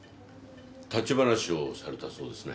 立ち話をされたそうですね。